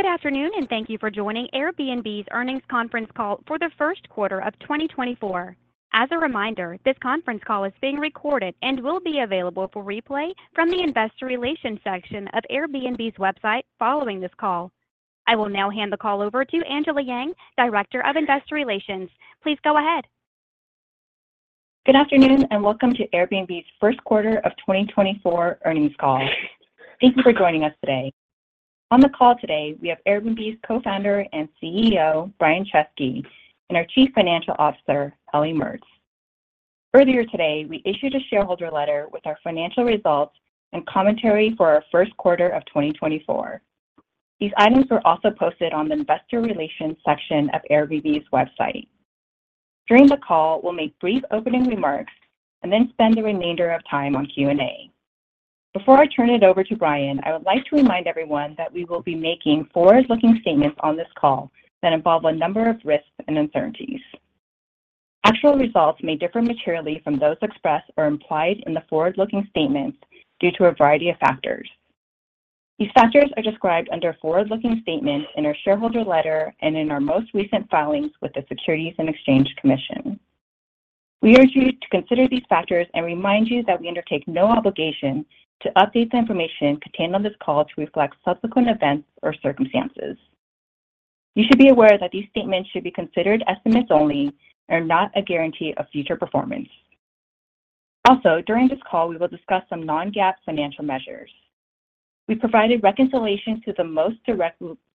Good afternoon, and thank you for joining Airbnb's earnings conference call for the first quarter of 2024. As a reminder, this conference call is being recorded and will be available for replay from the investor relations section of Airbnb's website following this call. I will now hand the call over to Angela Yang, Director of Investor Relations. Please go ahead. Good afternoon, and welcome to Airbnb's first quarter of 2024 earnings call. Thank you for joining us today. On the call today, we have Airbnb's Co-founder and CEO, Brian Chesky, and our Chief Financial Officer, Ellie Mertz. Earlier today, we issued a shareholder letter with our financial results and commentary for our first quarter of 2024. These items were also posted on the investor relations section of Airbnb's website. During the call, we'll make brief opening remarks and then spend the remainder of time on Q&A. Before I turn it over to Brian, I would like to remind everyone that we will be making forward-looking statements on this call that involve a number of risks and uncertainties. Actual results may differ materially from those expressed or implied in the forward-looking statements due to a variety of factors. These factors are described under forward-looking statements in our shareholder letter and in our most recent filings with the Securities and Exchange Commission. We urge you to consider these factors and remind you that we undertake no obligation to update the information contained on this call to reflect subsequent events or circumstances. You should be aware that these statements should be considered estimates only and are not a guarantee of future performance. Also, during this call, we will discuss some non-GAAP financial measures. We provided reconciliation to the most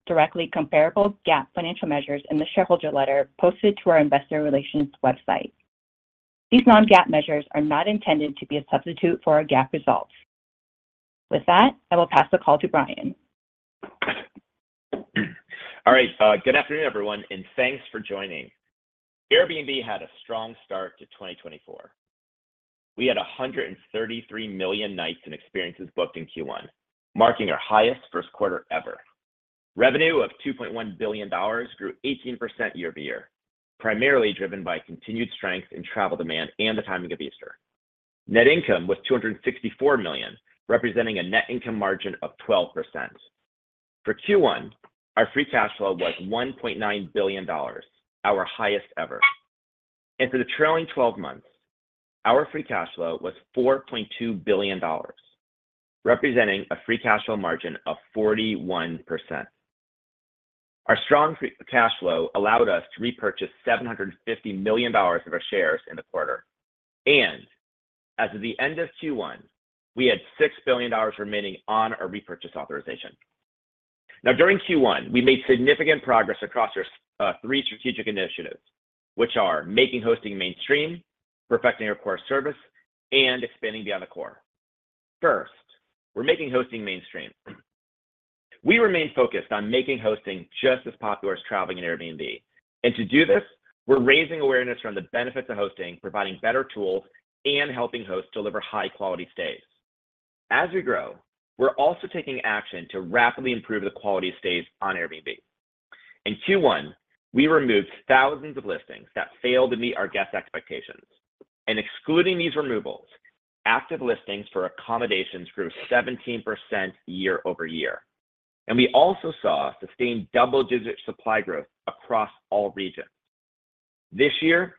directly comparable GAAP financial measures in the shareholder letter posted to our investor relations website. These non-GAAP measures are not intended to be a substitute for our GAAP results. With that, I will pass the call to Brian. All right. Good afternoon, everyone, and thanks for joining. Airbnb had a strong start to 2024. We had 133 million nights and experiences booked in Q1, marking our highest first quarter ever. Revenue of $2.1 billion grew 18% year over year, primarily driven by continued strength in travel demand and the timing of Easter. Net income was $264 million, representing a net income margin of 12%. For Q1, our free cash flow was $1.9 billion, our highest ever. And for the trailing twelve months, our free cash flow was $4.2 billion, representing a free cash flow margin of 41%. Our strong free cash flow allowed us to repurchase $750 million of our shares in the quarter, and as of the end of Q1, we had $6 billion remaining on our repurchase authorization. Now, during Q1, we made significant progress across our three strategic initiatives, which are: making hosting mainstream, perfecting our core service, and expanding beyond the core. First, we're making hosting mainstream. We remain focused on making hosting just as popular as traveling in Airbnb, and to do this, we're raising awareness around the benefits of hosting, providing better tools, and helping hosts deliver high-quality stays. As we grow, we're also taking action to rapidly improve the quality of stays on Airbnb. In Q1, we removed thousands of listings that failed to meet our guests' expectations, and excluding these removals, active listings for accommodations grew 17% year-over-year, and we also saw sustained double-digit supply growth across all regions. This year,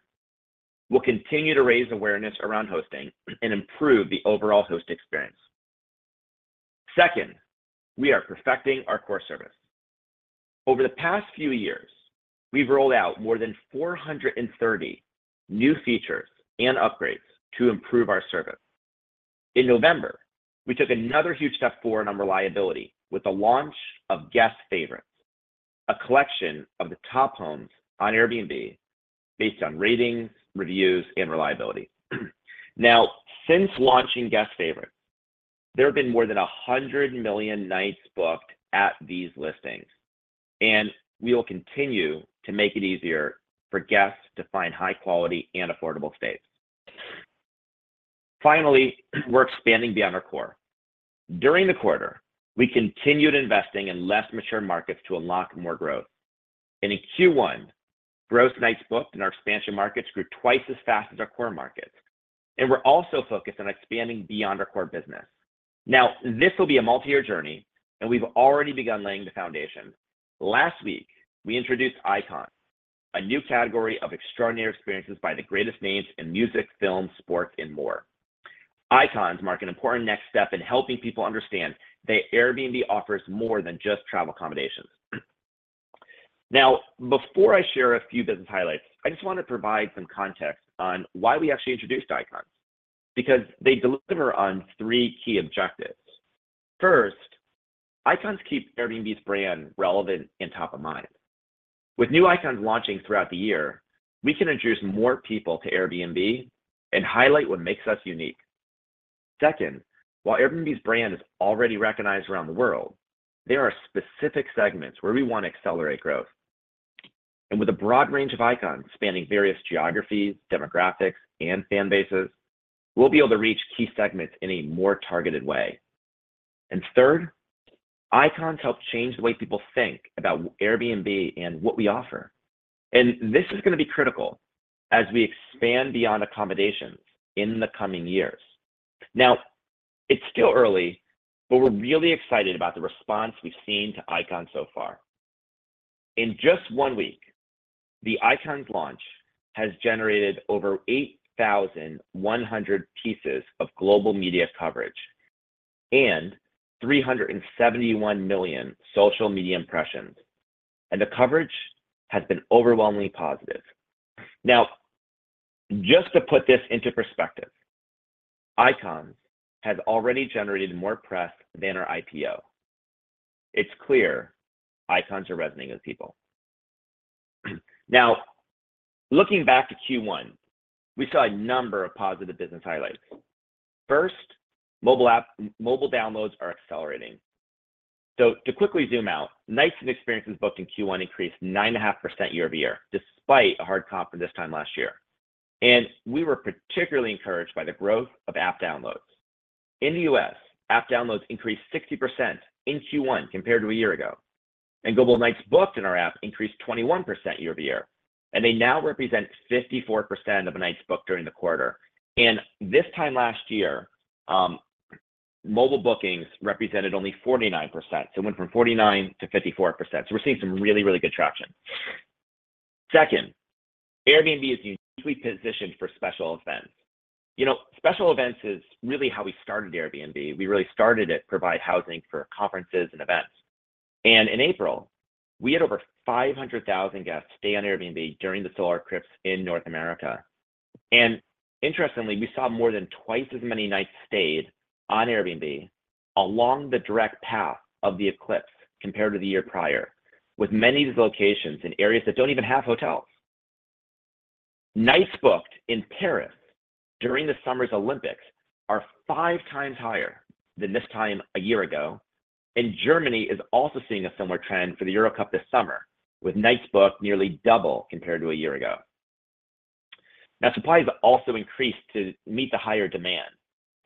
we'll continue to raise awareness around hosting and improve the overall host experience. Second, we are perfecting our core service. Over the past few years, we've rolled out more than 430 new features and upgrades to improve our service. In November, we took another huge step forward on reliability with the launch of Guest Favorites, a collection of the top homes on Airbnb based on ratings, reviews, and reliability. Now, since launching Guest Favorites, there have been more than 100 million nights booked at these listings, and we will continue to make it easier for guests to find high quality and affordable stays. Finally, we're expanding beyond our core. During the quarter, we continued investing in less mature markets to unlock more growth, and in Q1, gross nights booked in our expansion markets grew twice as fast as our core markets, and we're also focused on expanding beyond our core business. Now, this will be a multi-year journey, and we've already begun laying the foundation. Last week, we introduced Icons, a new category of extraordinary experiences by the greatest names in music, film, sports, and more. Icons mark an important next step in helping people understand that Airbnb offers more than just travel accommodations. Now, before I share a few business highlights, I just want to provide some context on why we actually introduced Icons, because they deliver on three key objectives. First, Icons keep Airbnb's brand relevant and top of mind. With new Icons launching throughout the year, we can introduce more people to Airbnb and highlight what makes us unique. Second, while Airbnb's brand is already recognized around the world, there are specific segments where we want to accelerate growth, and with a broad range of Icons spanning various geographies, demographics, and fan bases, we'll be able to reach key segments in a more targeted way. And third, Icons help change the way people think about Airbnb and what we offer, and this is gonna be critical as we expand beyond accommodations in the coming years. It's still early, but we're really excited about the response we've seen to Icons so far. In just one week, the Icons launch has generated over 8,100 pieces of global media coverage and 371 million social media impressions, and the coverage has been overwhelmingly positive. Now, just to put this into perspective, Icons has already generated more press than our IPO. It's clear Icons are resonating with people. Now, looking back to Q1, we saw a number of positive business highlights. First, mobile app downloads are accelerating. So to quickly zoom out, nights and experiences booked in Q1 increased 9.5% year-over-year, despite a hard comp for this time last year, and we were particularly encouraged by the growth of app downloads. In the U.S., app downloads increased 60% in Q1 compared to a year ago, and global nights booked in our app increased 21% year-over-year, and they now represent 54% of the nights booked during the quarter. And this time last year, mobile bookings represented only 49%. So it went from 49% to 54%. So we're seeing some really, really good traction. Second, Airbnb is uniquely positioned for special events. You know, special events is really how we started Airbnb. We really started it to provide housing for conferences and events. And in April, we had over 500,000 guests stay on Airbnb during the solar eclipse in North America. And interestingly, we saw more than twice as many nights stayed on Airbnb along the direct path of the eclipse compared to the year prior, with many of those locations in areas that don't even have hotels. Nights booked in Paris during this summer's Olympics are five times higher than this time a year ago, and Germany is also seeing a similar trend for the Euro Cup this summer, with nights booked nearly double compared to a year ago. Now, supply has also increased to meet the higher demand,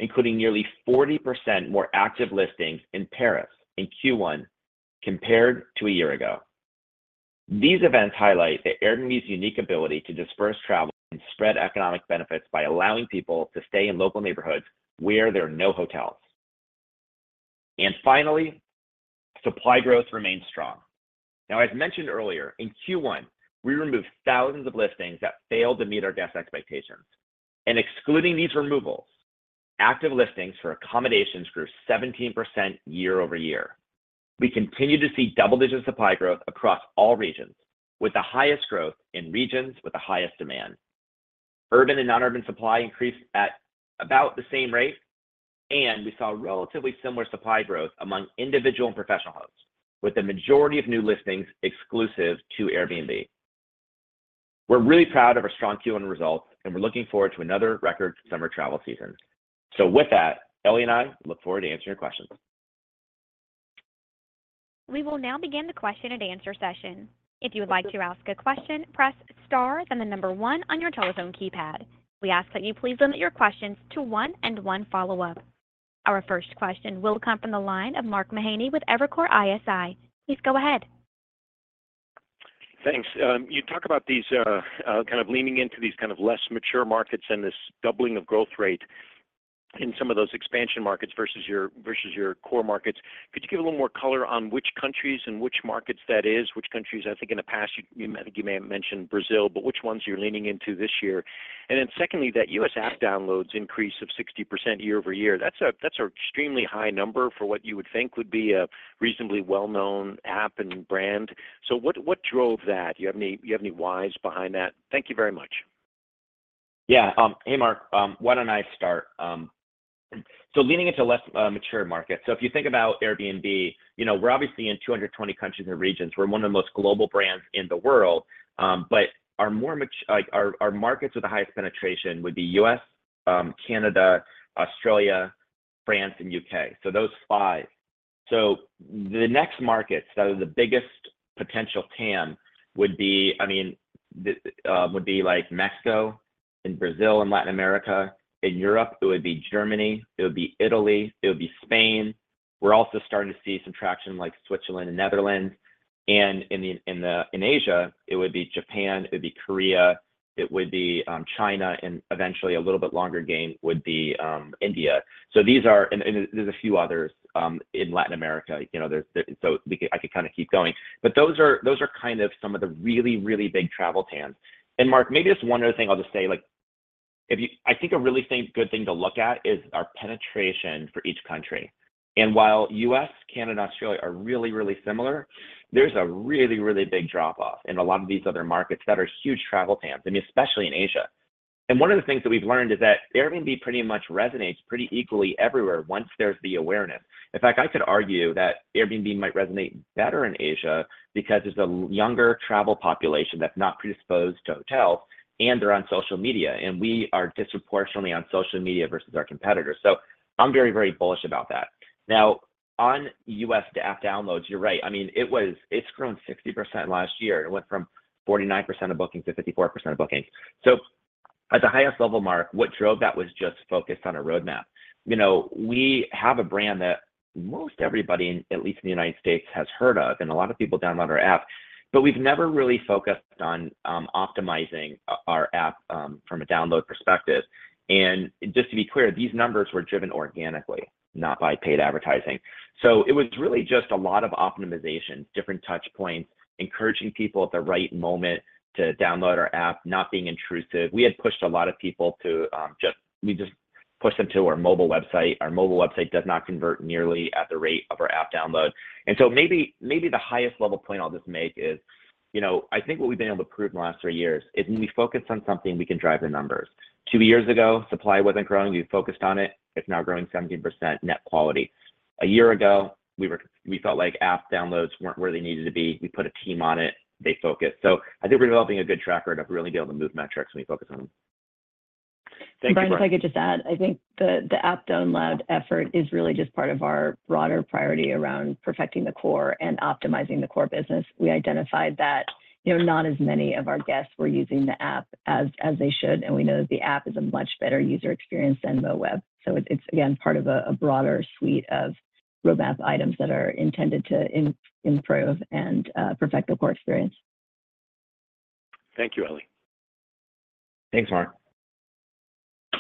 including nearly 40% more active listings in Paris in Q1 compared to a year ago. These events highlight Airbnb's unique ability to disperse travel and spread economic benefits by allowing people to stay in local neighborhoods where there are no hotels. And finally, supply growth remains strong. Now, as mentioned earlier, in Q1, we removed thousands of listings that failed to meet our guest expectations. And excluding these removals, active listings for accommodations grew 17% year-over-year. We continue to see double-digit supply growth across all regions, with the highest growth in regions with the highest demand. Urban and non-urban supply increased at about the same rate, and we saw relatively similar supply growth among individual and professional hosts, with the majority of new listings exclusive to Airbnb. We're really proud of our strong Q1 results, and we're looking forward to another record summer travel season. So with that, Ellie and I look forward to answering your questions. We will now begin the question and answer session. If you would like to ask a question, press star, then the number one on your telephone keypad. We ask that you please limit your questions to one and one follow-up. Our first question will come from the line of Mark Mahaney with Evercore ISI. Please go ahead. Thanks. You talk about these kind of leaning into these kind of less mature markets and this doubling of growth rate in some of those expansion markets versus your core markets. Could you give a little more color on which countries and which markets that is? Which countries—I think in the past, you may have mentioned Brazil, but which ones you're leaning into this year? And then secondly, that US app downloads increase of 60% year-over-year, that's an extremely high number for what you would think would be a reasonably well-known app and brand. So what drove that? Do you have any whys behind that? Thank you very much. Yeah. Hey, Mark, why don't I start? So leaning into less mature markets. So if you think about Airbnb, you know, we're obviously in 220 countries and regions. We're one of the most global brands in the world. But our more mature—like, our markets with the highest penetration would be US, Canada, Australia, France, and UK. So those five. So the next markets that are the biggest potential TAM would be, I mean, the—would be, like, Mexico and Brazil and Latin America. In Europe, it would be Germany, it would be Italy, it would be Spain. We're also starting to see some traction, like Switzerland and Netherlands, and in Asia, it would be Japan, it would be Korea, it would be China, and eventually, a little bit longer game, would be India. So these are. And there's a few others in Latin America. You know, there's... So I could kind of keep going. But those are, those are kind of some of the really, really big travel TAMs. And Mark, maybe just one other thing I'll just say, like, if you, I think a really good thing to look at is our penetration for each country. And while U.S., Canada, Australia are really, really similar, there's a really, really big drop-off in a lot of these other markets that are huge travel TAMs, I mean, especially in Asia. One of the things that we've learned is that Airbnb pretty much resonates pretty equally everywhere once there's the awareness. In fact, I could argue that Airbnb might resonate better in Asia because it's a younger travel population that's not predisposed to hotels, and they're on social media, and we are disproportionately on social media versus our competitors. So I'm very, very bullish about that. Now, on U.S. app downloads, you're right. I mean, it's grown 60% last year. It went from 49%-54% of bookings. So at the highest level, Mark, what drove that was just focused on a roadmap. You know, we have a brand that most everybody, in at least in the United States, has heard of, and a lot of people download our app. But we've never really focused on optimizing our app from a download perspective. And just to be clear, these numbers were driven organically, not by paid advertising. So it was really just a lot of optimization, different touch points, encouraging people at the right moment to download our app, not being intrusive. We had pushed a lot of people to our mobile website. Our mobile website does not convert nearly at the rate of our app download. And so maybe, maybe the highest level point I'll just make is, you know, I think what we've been able to prove in the last three years is when we focus on something, we can drive the numbers. Two years ago, supply wasn't growing. We focused on it. It's now growing 17% net quality. A year ago, we felt like app downloads weren't where they needed to be. We put a team on it. They focused. So I think we're developing a good track record of really being able to move metrics when we focus on them. Thanks, Brian. If I could just add, I think the app download effort is really just part of our broader priority around perfecting the core and optimizing the core business. We identified that, you know, not as many of our guests were using the app as they should, and we know that the app is a much better user experience than mobile web. So it's, again, part of a broader suite of roadmap items that are intended to improve and perfect the core experience. Thank you, Ellie. Thanks, Mark.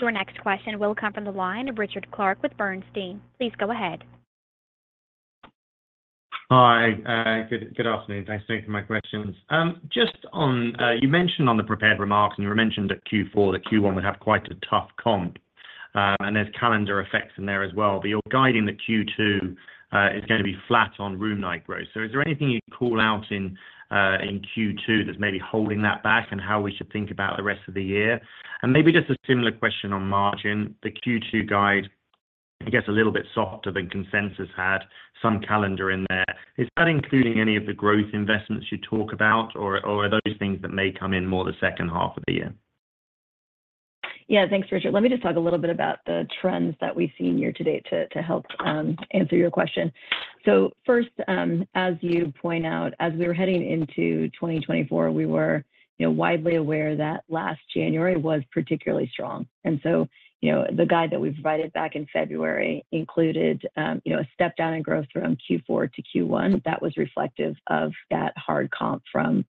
Your next question will come from the line of Richard Clarke with Bernstein. Please go ahead. Hi, good afternoon. Thanks for taking my questions. Just on, you mentioned on the prepared remarks, and you mentioned that Q4—that Q1 would have quite a tough comp, and there's calendar effects in there as well, but you're guiding the Q2 is going to be flat on room night growth. So is there anything you'd call out in, in Q2 that's maybe holding that back? And how we should think about the rest of the year? And maybe just a similar question on margin. The Q2 guide, I guess, a little bit softer than consensus had some calendar in there. Is that including any of the growth investments you talk about, or are those things that may come in more the second half of the year? Yeah. Thanks, Richard. Let me just talk a little bit about the trends that we've seen year to date to help answer your question. So first, as you point out, as we were heading into 2024, we were, you know, widely aware that last January was particularly strong. And so, you know, the guide that we provided back in February included, you know, a step down in growth from Q4 to Q1. That was reflective of that hard comp from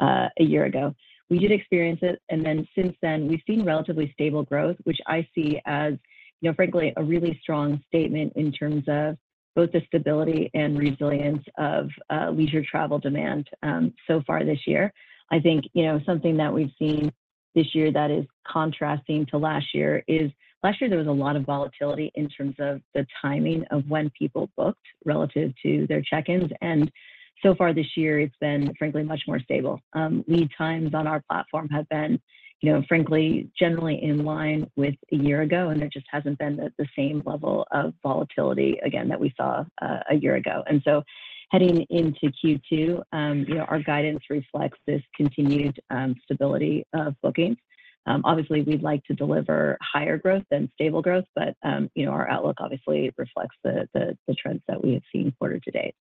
a year ago. We did experience it, and then since then, we've seen relatively stable growth, which I see as, you know, frankly, a really strong statement in terms of both the stability and resilience of leisure travel demand so far this year. I think, you know, something that we've seen this year that is contrasting to last year is last year there was a lot of volatility in terms of the timing of when people booked relative to their check-ins, and so far this year, it's been, frankly, much more stable. Lead times on our platform have been, you know, frankly, generally in line with a year ago, and there just hasn't been the same level of volatility again, that we saw a year ago. And so heading into Q2, you know, our guidance reflects this continued stability of bookings. Obviously, we'd like to deliver higher growth than stable growth, but, you know, our outlook obviously reflects the trends that we have seen quarter to date.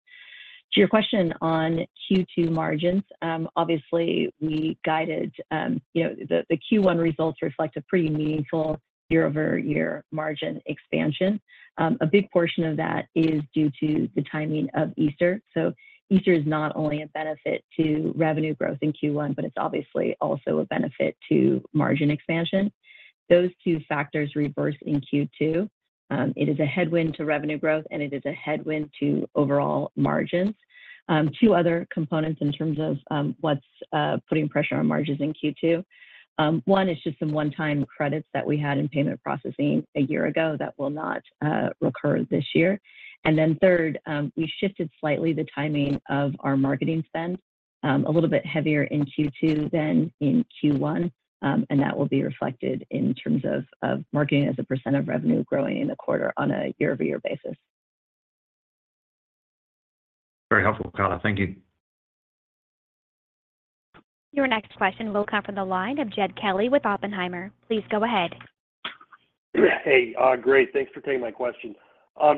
To your question on Q2 margins, obviously, we guided, you know, the Q1 results reflect a pretty meaningful year-over-year margin expansion. A big portion of that is due to the timing of Easter. So Easter is not only a benefit to revenue growth in Q1, but it's obviously also a benefit to margin expansion. Those two factors reverse in Q2. It is a headwind to revenue growth, and it is a headwind to overall margins. Two other components in terms of what's putting pressure on margins in Q2. One is just some one-time credits that we had in payment processing a year ago that will not recur this year. And then third, we shifted slightly the timing of our marketing spend, a little bit heavier in Q2 than in Q1. That will be reflected in terms of marketing as a % of revenue growing in the quarter on a year-over-year basis. Very helpful, Ellie. Thank you. Your next question will come from the line of Jed Kelly with Oppenheimer. Please go ahead. Hey, great. Thanks for taking my question.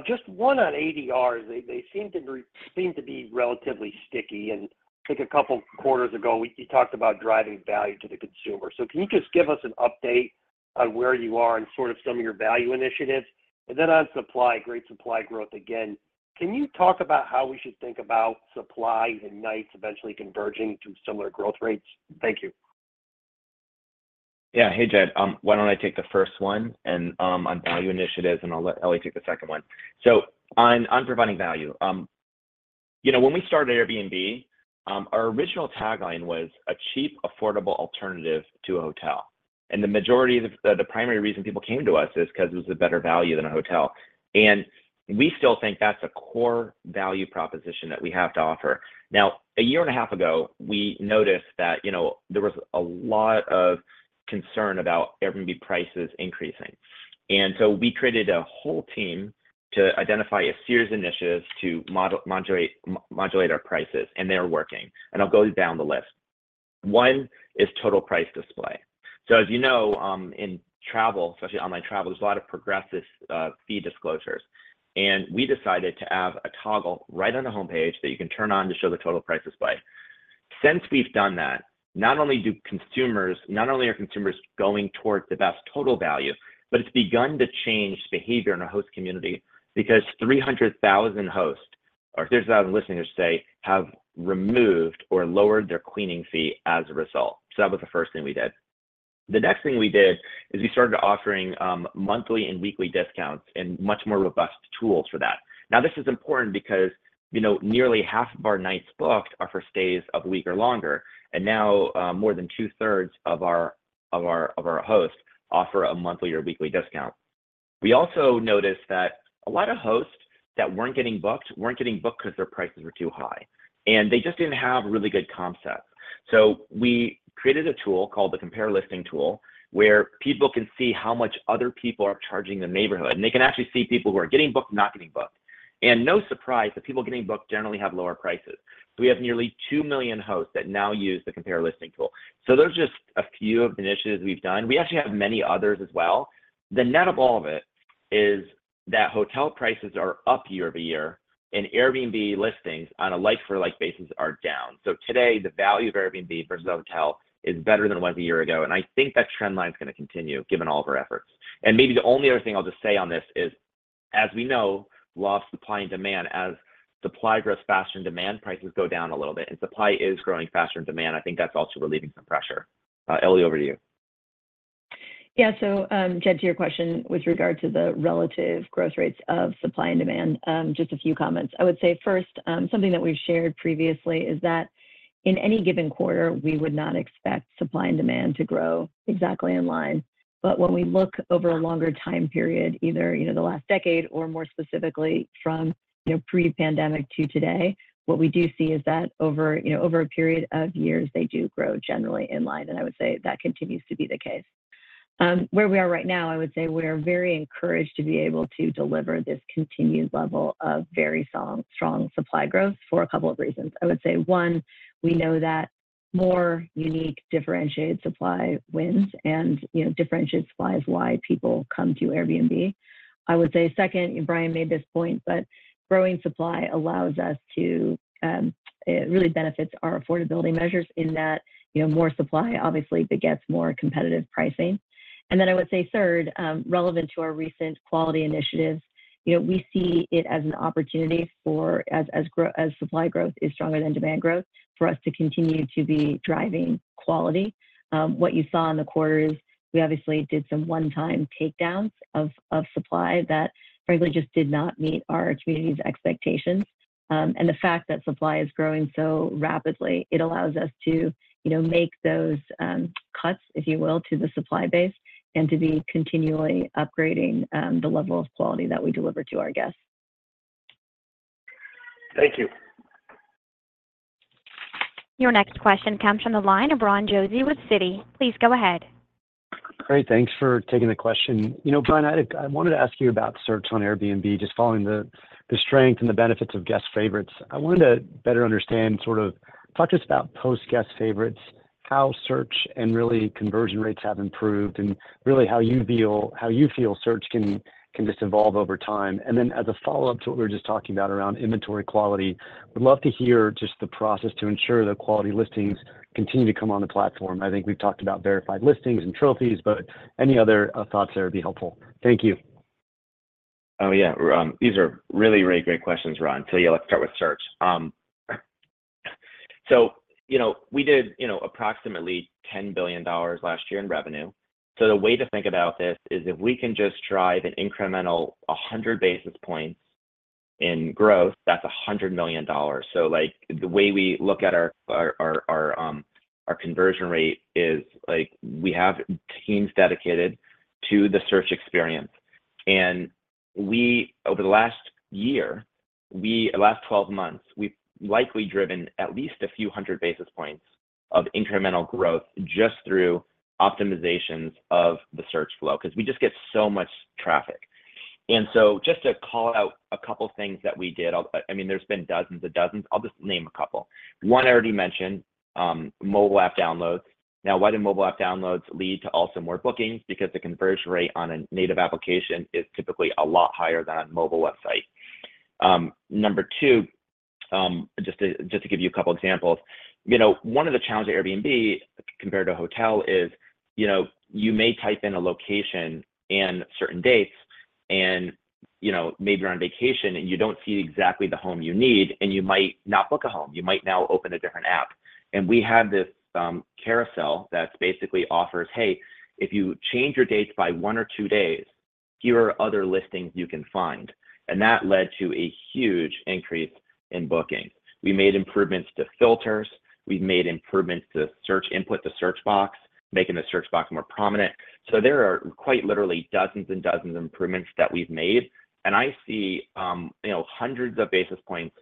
Just one on ADR. They seem to be relatively sticky, and I think a couple quarters ago, you talked about driving value to the consumer. So can you just give us an update on where you are and sort of some of your value initiatives? And then on supply, great supply growth again, can you talk about how we should think about supply and nights eventually converging to similar growth rates? Thank you. Yeah. Hey, Jed. Why don't I take the first one, and on value initiatives, and I'll let Ellie take the second one. So on providing value, you know, when we started Airbnb, our original tagline was a cheap, affordable alternative to a hotel. And the majority of the. The primary reason people came to us is because it was a better value than a hotel, and we still think that's a core value proposition that we have to offer. Now, a year and a half ago, we noticed that, you know, there was a lot of concern about Airbnb prices increasing. And so we created a whole team to identify a series of initiatives to modulate our prices, and they are working, and I'll go down the list. One is Total Price Display. So as you know, in travel, especially online travel, there's a lot of progressive fee disclosures, and we decided to add a toggle right on the homepage that you can turn on to show the Total Price Display. Since we've done that, not only are consumers going towards the best total value, but it's begun to change behavior in our host community because 300,000 hosts, or 300,000 listings say, have removed or lowered their cleaning fee as a result. So that was the first thing we did. The next thing we did is we started offering monthly and weekly discounts and much more robust tools for that. Now, this is important because, you know, nearly half of our nights booked are for stays of a week or longer, and now more than two-thirds of our hosts offer a monthly or weekly discount. We also noticed that a lot of hosts that weren't getting booked weren't getting booked because their prices were too high, and they just didn't have really good comp sets. So we created a tool called the Compare Listings tool, where people can see how much other people are charging in the neighborhood, and they can actually see people who are getting booked and not getting booked. And no surprise, the people getting booked generally have lower prices. So we have nearly 2 million hosts that now use the Compare Listings tool. So those are just a few of the initiatives we've done. We actually have many others as well. The net of all of it is that hotel prices are up year-over-year, and Airbnb listings on a like-for-like basis are down. So today, the value of Airbnb versus hotel is better than it was a year ago, and I think that trend line is going to continue, given all of our efforts. Maybe the only other thing I'll just say on this is, as we know, law of supply and demand, as supply grows faster than demand, prices go down a little bit, and supply is growing faster than demand. I think that's also relieving some pressure. Ellie, over to you. Yeah, so, Jed, to your question with regard to the relative growth rates of supply and demand, just a few comments. I would say first, something that we've shared previously is that in any given quarter, we would not expect supply and demand to grow exactly in line. But when we look over a longer time period, either, you know, the last decade or more specifically from, you know, pre-pandemic to today, what we do see is that over, you know, over a period of years, they do grow generally in line, and I would say that continues to be the case. Where we are right now, I would say we are very encouraged to be able to deliver this continued level of very strong supply growth for a couple of reasons. I would say, one, we know that more unique, differentiated supply wins, and, you know, differentiated supply is why people come to Airbnb. I would say second, and Brian made this point, but growing supply allows us to. It really benefits our affordability measures in that, you know, more supply, obviously begets more competitive pricing. And then I would say third, relevant to our recent quality initiatives, you know, we see it as an opportunity for as supply growth is stronger than demand growth, for us to continue to be driving quality. What you saw in the quarter is we obviously did some one-time takedowns of supply that frankly just did not meet our community's expectations. The fact that supply is growing so rapidly, it allows us to, you know, make those cuts, if you will, to the supply base and to be continually upgrading the level of quality that we deliver to our guests. Thank you. Your next question comes from the line of Ron Josey with Citi. Please go ahead. Great. Thanks for taking the question. You know, Brian, I, I wanted to ask you about search on Airbnb. Just following the, the strength and the benefits of Guest Favorites, I wanted to better understand, sort of, talk to us about post Guest Favorites, how search and really conversion rates have improved and really how you feel, how you feel search can, can just evolve over time. And then as a follow-up to what we were just talking about around inventory quality, would love to hear just the process to ensure that quality listings continue to come on the platform. I think we've talked about verified listings and trophies, but any other thoughts there would be helpful. Thank you. Oh, yeah. These are really, really great questions, Ron. So yeah, let's start with search. So, you know, we did, you know, approximately $10 billion last year in revenue. So the way to think about this is if we can just drive an incremental 100 basis points in growth, that's $100 million. So, like, the way we look at our, our, our, our, our conversion rate is, like, we have teams dedicated to the search experience. And we, over the last year, the last twelve months, we've likely driven at least a few hundred basis points of incremental growth just through optimizations of the search flow, because we just get so much traffic. And so just to call out a couple of things that we did, I, I mean, there's been dozens and dozens. I'll just name a couple. One, I already mentioned, mobile app downloads. Now, why do mobile app downloads lead to also more bookings? Because the conversion rate on a native application is typically a lot higher than a mobile website. Number two, just to give you a couple examples, you know, one of the challenges at Airbnb compared to a hotel is, you know, you may type in a location and certain dates and, you know, maybe you're on vacation, and you don't see exactly the home you need, and you might not book a home. You might now open a different app. And we have this, carousel that basically offers, "Hey, if you change your dates by one or two days, here are other listings you can find." And that led to a huge increase in bookings. We made improvements to filters. We've made improvements to search input, the search box, making the search box more prominent. There are quite literally dozens and dozens of improvements that we've made, and I see, you know, hundreds of basis points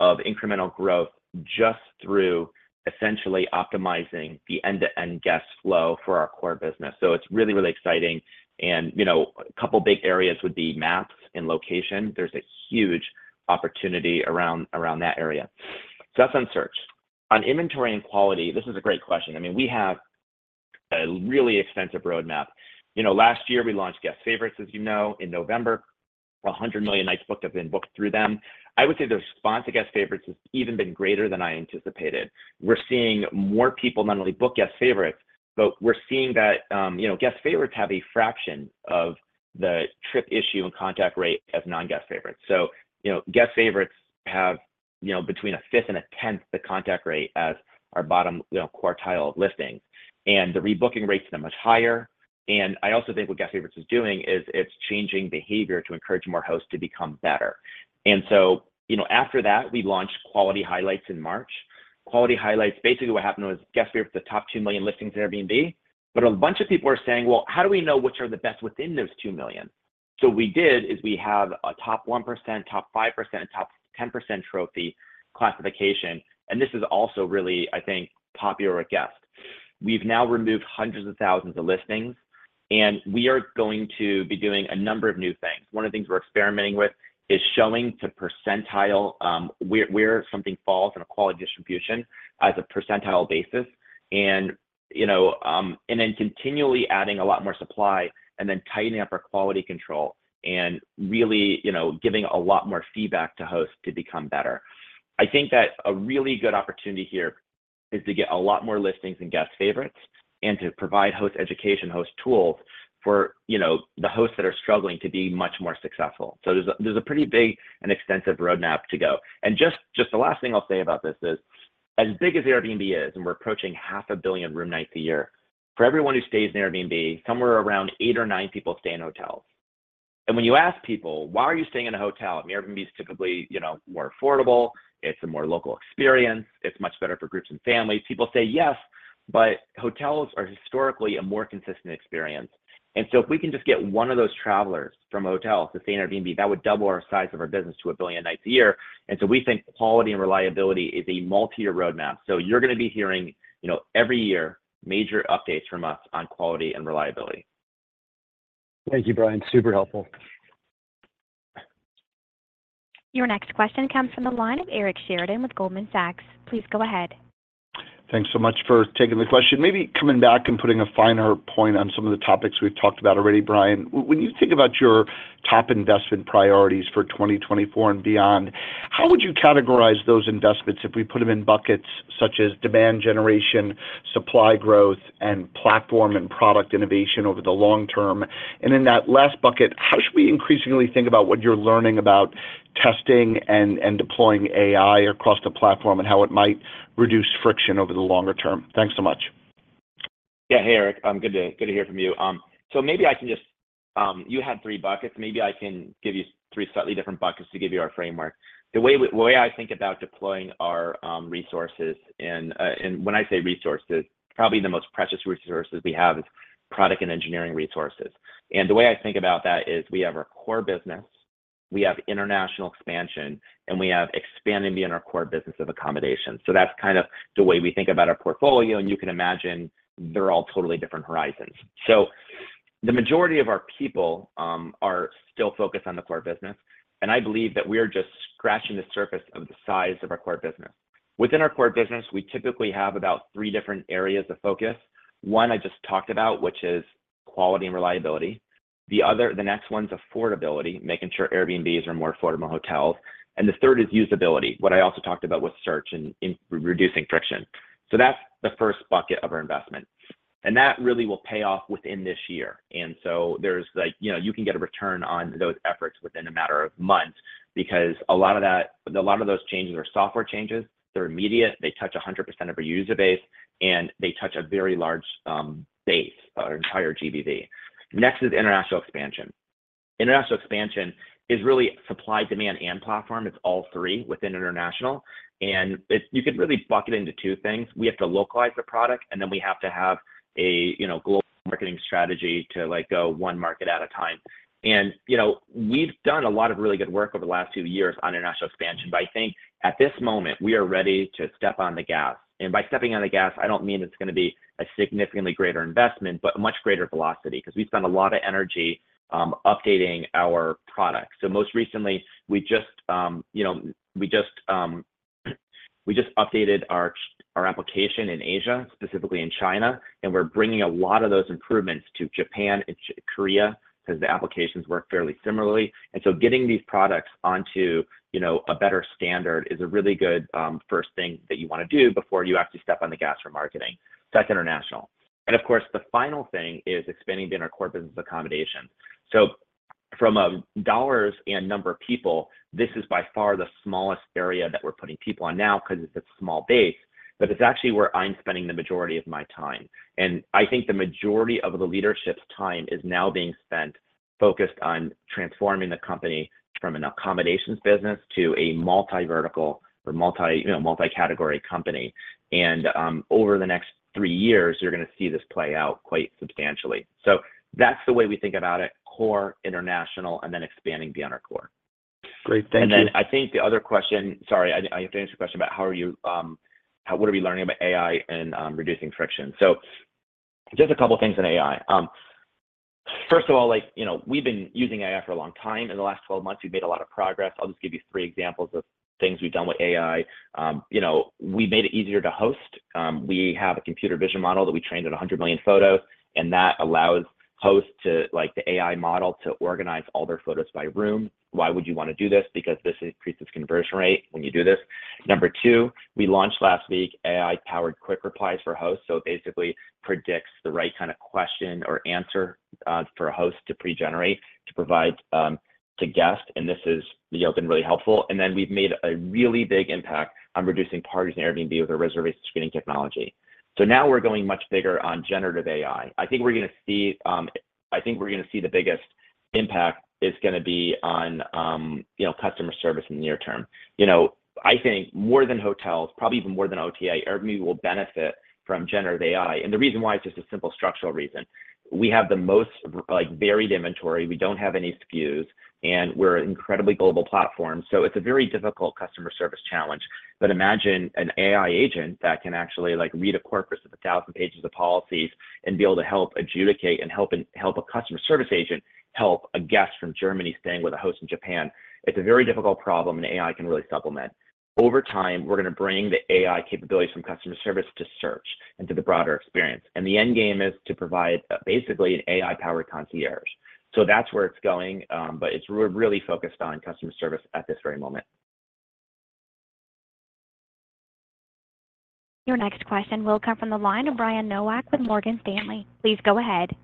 of incremental growth just through essentially optimizing the end-to-end guest flow for our core business. It's really, really exciting. You know, a couple big areas would be maps and location. There's a huge opportunity around that area. That's on search. On inventory and quality, this is a great question. I mean, we have a really extensive roadmap. You know, last year, we launched Guest Favorites, as you know, in November. 100 million nights booked have been booked through them. I would say the response to Guest Favorites has even been greater than I anticipated. We're seeing more people not only book Guest Favorites, but we're seeing that, you know, Guest Favorites have a fraction of the trip issue and contact rate as non-Guest Favorites. So, you know, Guest Favorites have, you know, between a fifth and a tenth the contact rate as our bottom, you know, quartile of listings. And the rebooking rates are much higher. And I also think what Guest Favorites is doing is it's changing behavior to encourage more hosts to become better. And so, you know, after that, we launched Quality Highlights in March. Quality Highlights, basically what happened was Guest Favorites, the top 2 million listings in Airbnb, but a bunch of people are saying, "Well, how do we know which are the best within those 2 million?" So what we did is we have a top 1%, top 5%, and top 10% trophy classification, and this is also really, I think, popular with guests. We've now removed hundreds of thousands of listings, and we are going to be doing a number of new things. One of the things we're experimenting with is showing to percentile where something falls in a quality distribution as a percentile basis, and, you know, and then continually adding a lot more supply, and then tightening up our quality control and really, you know, giving a lot more feedback to hosts to become better. I think that a really good opportunity here is to get a lot more listings in Guest Favorites and to provide host education, host tools for, you know, the hosts that are struggling to be much more successful. So there's a pretty big and extensive roadmap to go. And just the last thing I'll say about this is, as big as Airbnb is, and we're approaching 500 million room nights a year, for everyone who stays in Airbnb, somewhere around eight or nine people stay in hotels. And when you ask people, "Why are you staying in a hotel? I mean, Airbnb is typically, you know, more affordable, it's a more local experience, it's much better for groups and families." People say, "Yes, but hotels are historically a more consistent experience." And so if we can just get one of those travelers from hotels to stay in Airbnb, that would double our size of our business to a billion nights a year. And so we think quality and reliability is a multi-year roadmap. So you're going to be hearing, you know, every year, major updates from us on quality and reliability. Thank you, Brian. Super helpful. Your next question comes from the line of Eric Sheridan with Goldman Sachs. Please go ahead. Thanks so much for taking the question. Maybe coming back and putting a finer point on some of the topics we've talked about already, Brian. When you think about your top investment priorities for 2024 and beyond, how would you categorize those investments if we put them in buckets such as demand generation, supply growth, and platform and product innovation over the long term? And in that last bucket, how should we increasingly think about what you're learning about testing and deploying AI across the platform, and how it might reduce friction over the longer term? Thanks so much. Yeah. Hey, Eric, good to hear from you. So maybe I can just. You had three buckets. Maybe I can give you three slightly different buckets to give you our framework. The way I think about deploying our resources, and when I say resources, probably the most precious resources we have is product and engineering resources. And the way I think about that is we have our core business, we have international expansion, and we have expanding beyond our core business of accommodation. So that's kind of the way we think about our portfolio, and you can imagine they're all totally different horizons. So the majority of our people are still focused on the core business, and I believe that we are just scratching the surface of the size of our core business. Within our core business, we typically have about three different areas of focus. One, I just talked about, which is quality and reliability. The other, the next one's affordability, making sure Airbnbs are more affordable than hotels. And the third is usability, what I also talked about with search and reducing friction. So that's the first bucket of our investment, and that really will pay off within this year. And so there's like, you know, you can get a return on those efforts within a matter of months because a lot of that, a lot of those changes are software changes. They're immediate, they touch 100% of our user base, and they touch a very large base, our entire GBV. Next is international expansion. International expansion is really supply, demand, and platform. It's all three within international, and it, you could really bucket it into two things. We have to localize the product, and then we have to have a, you know, global marketing strategy to, like, go one market at a time. And, you know, we've done a lot of really good work over the last two years on international expansion. But I think at this moment, we are ready to step on the gas, and by stepping on the gas, I don't mean it's gonna be a significantly greater investment, but a much greater velocity, because we've spent a lot of energy updating our product. So most recently, we just, you know, we just updated our application in Asia, specifically in China, and we're bringing a lot of those improvements to Japan and Korea, because the applications work fairly similarly. And so getting these products onto, you know, a better standard is a really good first thing that you want to do before you actually step on the gas for marketing. That's international. And of course, the final thing is expanding beyond our core business of accommodation. So from a dollars and number of people, this is by far the smallest area that we're putting people on now because it's a small base, but it's actually where I'm spending the majority of my time. And I think the majority of the leadership's time is now being spent focused on transforming the company from an accommodations business to a multi-vertical or multi, you know, multi-category company. And over the next three years, you're going to see this play out quite substantially. So that's the way we think about it: core, international, and then expanding beyond our core. Great, thank you. Then I think the other question. Sorry, I have to answer a question about how—what are we learning about AI and reducing friction? So just a couple of things in AI. First of all, like, you know, we've been using AI for a long time. In the last 12 months, we've made a lot of progress. I'll just give you three examples of things we've done with AI. You know, we made it easier to host. We have a computer vision model that we trained on 100 million photos, and that allows hosts to, like, the AI model, to organize all their photos by room. Why would you want to do this? Because this increases conversion rate when you do this. Number two, we launched last week, AI-powered Quick Replies for hosts, so basically predicts the right kind of question or answer for a host to pre-generate, to provide to guests, and this is, you know, been really helpful. And then we've made a really big impact on reducing parties in Airbnb with our reservation screening technology. So now we're going much bigger on generative AI. I think we're gonna see. I think we're gonna see the biggest impact is gonna be on, you know, customer service in the near term. You know, I think more than hotels, probably even more than OTA, Airbnb will benefit from generative AI, and the reason why is just a simple structural reason. We have the most, like, varied inventory, we don't have any SKUs, and we're an incredibly global platform, so it's a very difficult customer service challenge. But imagine an AI agent that can actually, like, read a corpus of a thousand pages of policies and be able to help adjudicate and help a, help a customer service agent help a guest from Germany staying with a host in Japan. It's a very difficult problem, and AI can really supplement. Over time, we're gonna bring the AI capabilities from customer service to search and to the broader experience, and the end game is to provide basically an AI-powered concierge. So that's where it's going, but it's really focused on customer service at this very moment. Your next question will come from the line of Brian Nowak with Morgan Stanley. Please go ahead.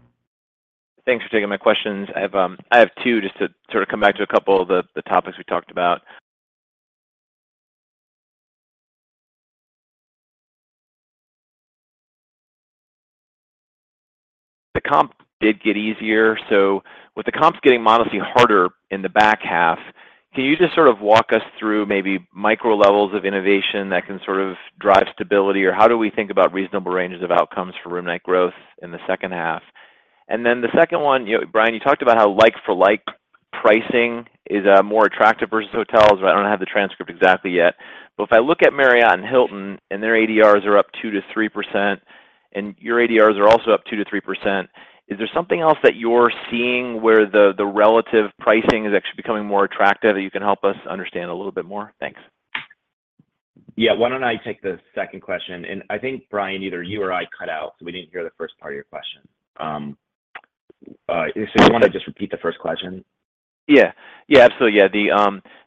Thanks for taking my questions. I have, I have two, just to sort of come back to a couple of the, the topics we talked about. The comp did get easier, so with the comps getting modestly harder in the back half, can you just sort of walk us through maybe micro levels of innovation that can sort of drive stability? Or how do we think about reasonable ranges of outcomes for room night growth in the second half? And then the second one, you know, Brian, you talked about how, like for like, pricing is, more attractive versus hotels. I don't have the transcript exactly yet. But if I look at Marriott and Hilton, and their ADRs are up 2%-3%, and your ADRs are also up 2%-3%, is there something else that you're seeing where the relative pricing is actually becoming more attractive that you can help us understand a little bit more? Thanks. Yeah. Why don't I take the second question, and I think, Brian, either you or I cut out, so we didn't hear the first part of your question. If you want to just repeat the first question? Yeah. Yeah, absolutely. Yeah,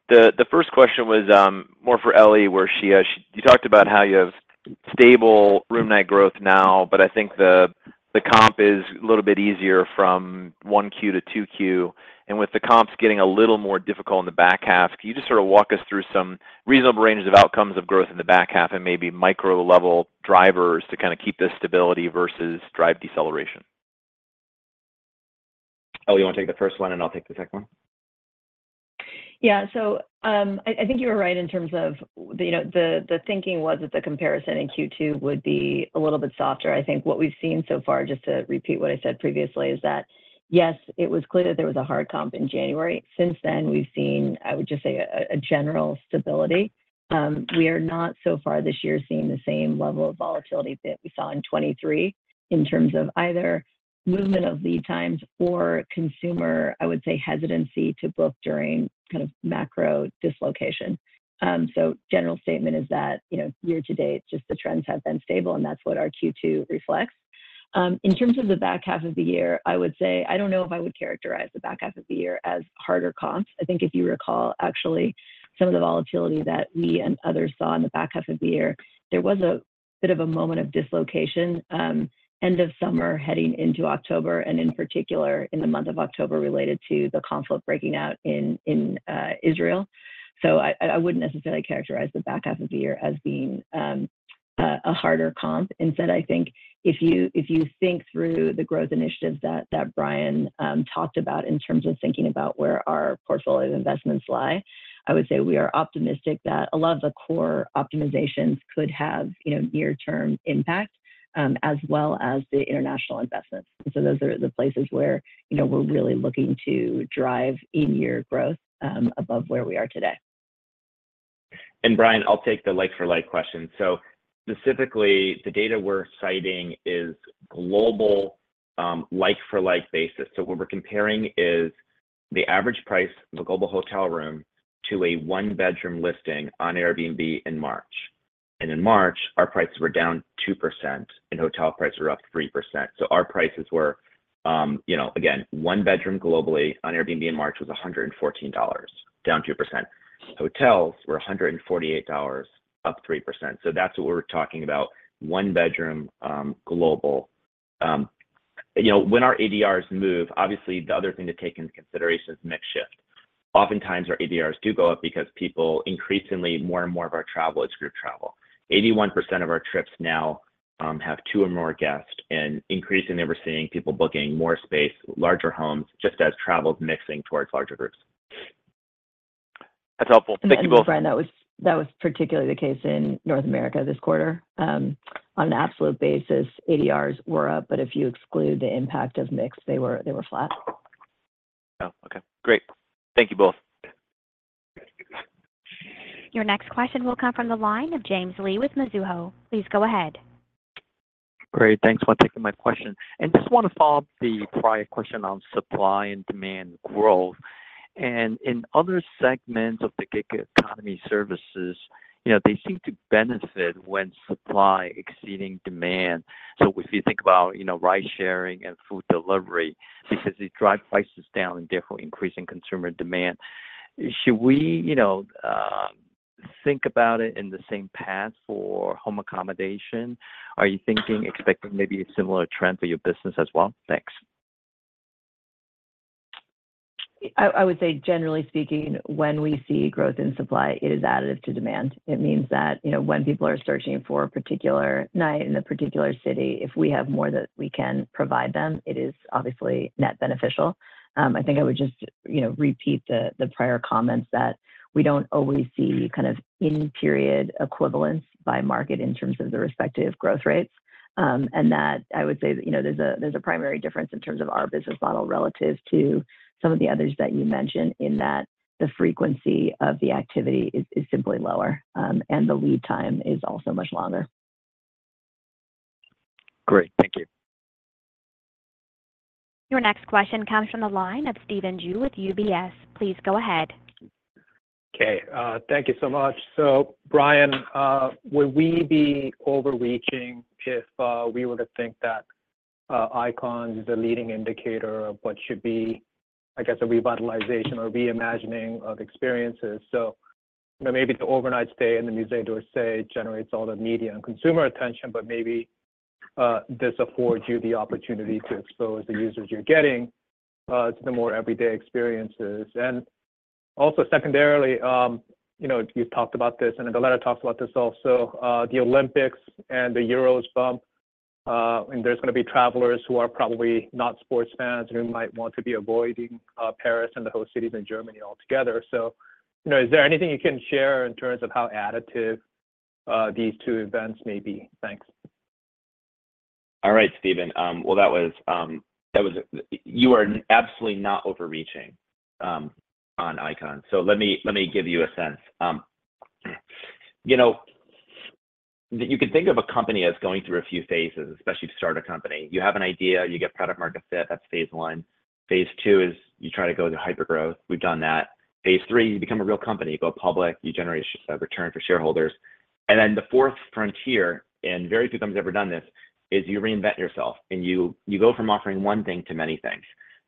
the, the first question was, more for Ellie, where she, you talked about how you have stable room night growth now, but I think the, the comp is a little bit easier from one 1Q to 2Q. And with the comps getting a little more difficult in the back half, can you just sort of walk us through some reasonable ranges of outcomes of growth in the back half and maybe micro level drivers to kind of keep the stability versus drive deceleration? Ellie, you want to take the first one, and I'll take the second one? Yeah. So, I think you were right in terms of, you know, the thinking was that the comparison in Q2 would be a little bit softer. I think what we've seen so far, just to repeat what I said previously, is that, yes, it was clear there was a hard comp in January. Since then, we've seen, I would just say, a general stability. We are not so far this year seeing the same level of volatility that we saw in 2023 in terms of either movement of lead times or consumer, I would say, hesitancy to book during kind of macro dislocation. So general statement is that, you know, year to date, just the trends have been stable, and that's what our Q2 reflects. In terms of the back half of the year, I would say, I don't know if I would characterize the back half of the year as harder comps. I think if you recall, actually, some of the volatility that we and others saw in the back half of the year, there was a bit of a moment of dislocation, end of summer, heading into October, and in particular, in the month of October, related to the conflict breaking out in Israel. So I wouldn't necessarily characterize the back half of the year as being a harder comp. Instead, I think if you think through the growth initiatives that Brian talked about in terms of thinking about where our portfolio investments lie, I would say we are optimistic that a lot of the core optimizations could have, you know, near-term impact, as well as the international investments. And so those are the places where, you know, we're really looking to drive in-year growth, above where we are today. Brian, I'll take the like for like question. So specifically, the data we're citing is global, like for like basis. So what we're comparing is the average price of a global hotel room to a one-bedroom listing on Airbnb in March. In March, our prices were down 2% and hotel prices were up 3%. So our prices were, you know. Again, one bedroom globally on Airbnb in March was $114, down 2%. Hotels were $148, up 3%. So that's what we're talking about, one bedroom, global. You know, when our ADRs move, obviously, the other thing to take into consideration is mix shift. Oftentimes, our ADRs do go up because people increasingly, more and more of our travel is group travel. 81% of our trips now have two or more guests, and increasingly, we're seeing people booking more space, larger homes, just as travel is mixing towards larger groups. That's helpful. Thank you both. Brian, that was particularly the case in North America this quarter. On an absolute basis, ADRs were up, but if you exclude the impact of mix, they were flat. Oh, okay. Great. Thank you both. Your next question will come from the line of James Lee with Mizuho. Please go ahead. Great, thanks for taking my question. Just want to follow up the prior question on supply and demand growth. In other segments of the gig economy services, you know, they seem to benefit when supply exceeding demand. If you think about, you know, ride sharing and food delivery, because they drive prices down and therefore increasing consumer demand, should we, you know, think about it in the same path for home accommodation? Are you thinking, expecting maybe a similar trend for your business as well? Thanks. I would say generally speaking, when we see growth in supply, it is additive to demand. It means that, you know, when people are searching for a particular night in a particular city, if we have more that we can provide them, it is obviously net beneficial. I think I would just, you know, repeat the prior comments that we don't always see kind of in-period equivalence by market in terms of the respective growth rates. And that I would say that, you know, there's a primary difference in terms of our business model relative to some of the others that you mentioned, in that the frequency of the activity is simply lower, and the lead time is also much longer. Great. Thank you. Your next question comes from the line of Stephen Ju with UBS. Please go ahead. Okay, thank you so much. So, Brian, would we be overreaching if we were to think that Icons is a leading indicator of what should be, I guess, a revitalization or reimagining of experiences? So, you know, maybe the overnight stay and the multi-day stay generates all the media and consumer attention, but maybe this affords you the opportunity to expose the users you're getting to the more everyday experiences. And also secondarily, you know, you've talked about this, and Ellie talks about this also, the Olympics and the Euros bump, and there's going to be travelers who are probably not sports fans, who might want to be avoiding Paris and the host cities in Germany altogether. So, you know, is there anything you can share in terms of how additive these two events may be? Thanks. All right, Stephen. Well, you are absolutely not overreaching on Icons. So let me, let me give you a sense. You know, you can think of a company as going through a few phases, especially to start a company. You have an idea, you get product market fit, that's phase one. Phase two is you try to go into hypergrowth. We've done that. Phase three, you become a real company, you go public, you generate a return for shareholders. And then the fourth frontier, and very few companies have ever done this, is you reinvent yourself, and you go from offering one thing to many things.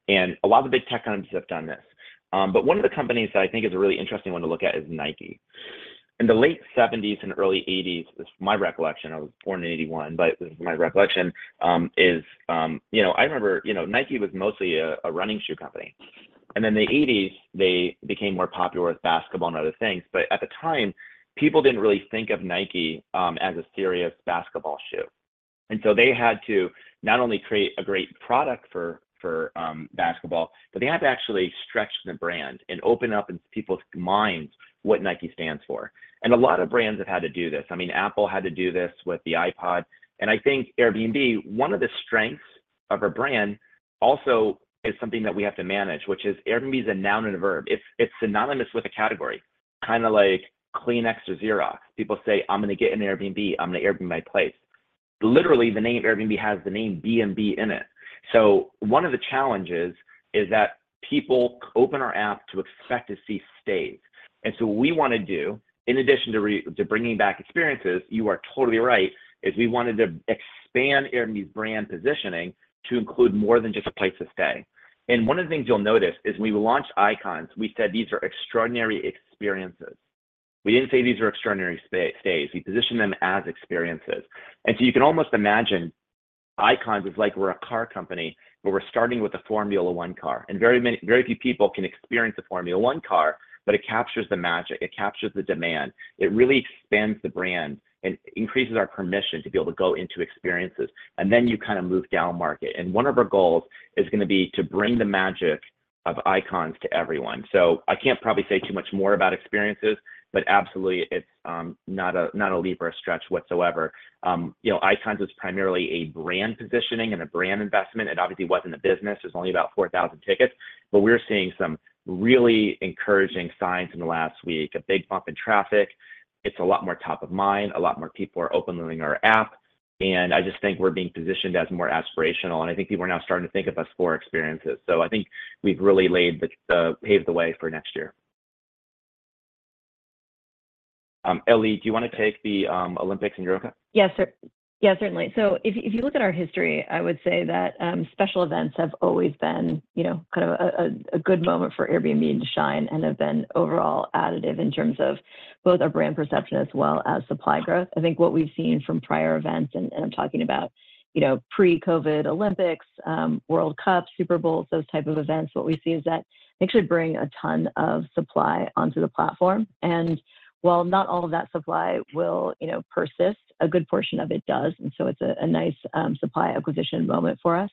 And a lot of the big tech companies have done this. But one of the companies that I think is a really interesting one to look at is Nike. In the late 1970s and early 1980s, this is my recollection, I was born in 1981, but this is my recollection, you know, I remember, you know, Nike was mostly a running shoe company, and then the 1980s, they became more popular with basketball and other things. But at the time, people didn't really think of Nike as a serious basketball shoe. And so they had to not only create a great product for basketball, but they had to actually stretch the brand and open up in people's minds what Nike stands for. And a lot of brands have had to do this. I mean, Apple had to do this with the iPod, and I think Airbnb, one of the strengths of our brand also is something that we have to manage, which is Airbnb is a noun and a verb. It's synonymous with a category, kind of like Kleenex or Xerox. People say, "I'm going to get an Airbnb. I'm going to Airbnb my place." Literally, the name Airbnb has the name B&B in it. So one of the challenges is that people open our app to expect to see stays. And so we want to do, in addition to bringing back experiences, you are totally right, is we wanted to expand Airbnb's brand positioning to include more than just a place to stay. And one of the things you'll notice is when we launched Icons, we said, "These are extraordinary experiences." We didn't say, "These are extraordinary stays." We positioned them as experiences. And so you can almost imagine Icons is like we're a car company, but we're starting with a Formula One car, and very few people can experience a Formula One car, but it captures the magic, it captures the demand, it really expands the brand, and increases our permission to be able to go into experiences, and then you kind of move down market. And one of our goals is going to be to bring the magic of Icons to everyone. So I can't probably say too much more about experiences, but absolutely, it's not a, not a leap or a stretch whatsoever. You know, Icons is primarily a brand positioning and a brand investment. It obviously wasn't a business. There's only about 4,000 tickets, but we're seeing some really encouraging signs in the last week, a big bump in traffic. It's a lot more top of mind, a lot more people are opening our app, and I just think we're being positioned as more aspirational, and I think people are now starting to think of us for experiences. So I think we've really paved the way for next year. Ellie, do you want to take the Olympics and Euro Cup? Yes, sir. Yeah, certainly. So if you, if you look at our history, I would say that special events have always been, you know, kind of a good moment for Airbnb to shine and have been overall additive in terms of both our brand perception as well as supply growth. I think what we've seen from prior events, and I'm talking about, you know, pre-COVID Olympics, World Cups, Super Bowls, those type of events, what we see is that they actually bring a ton of supply onto the platform. And while not all of that supply will, you know, persist, a good portion of it does, and so it's a nice supply acquisition moment for us.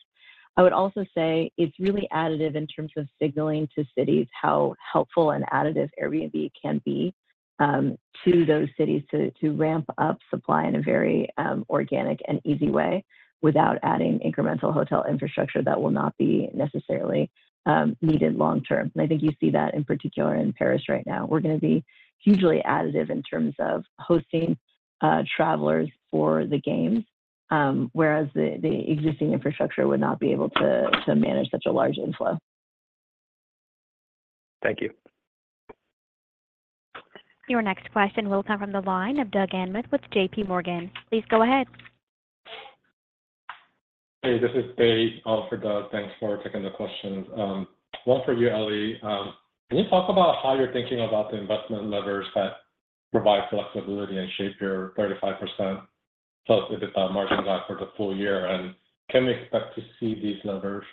I would also say it's really additive in terms of signaling to cities, how helpful and additive Airbnb can be, to those cities to ramp up supply in a very organic and easy way without adding incremental hotel infrastructure that will not be necessarily needed long term. And I think you see that in particular in Paris right now. We're going to be hugely additive in terms of hosting travelers for the games, whereas the existing infrastructure would not be able to manage such a large inflow. Thank you. Your next question will come from the line of Doug Anmuth with J.P. Morgan. Please go ahead. Hey, this is Dae, for Doug. Thanks for taking the questions. One for you, Ellie. Can you talk about how you're thinking about the investment levers that provide flexibility and shape your 35%+ EBITDA margin guide for the full year? And can we expect to see these levers